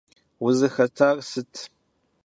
Узыхэтар сыт?